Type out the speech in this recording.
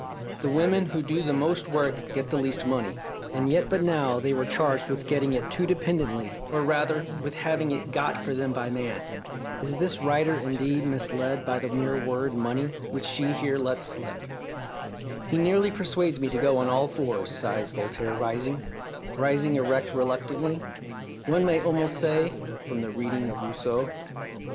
The women who do the most work get the least money." And yet but now they were charged with "getting it" too dependently, or rather, with having it "got" for them by man! Is this writer indeed misled by that mere word "money," which she here lets slip? "He nearly persuades me to go on all fours," sighs Voltaire rising rising erect reluctantly, one may almost say from the reading of Rousseau.